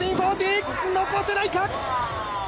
残せないか。